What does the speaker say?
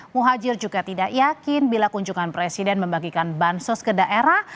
muhajir juga tidak yakin bila kunjungan presiden membagikan bansos ke daerah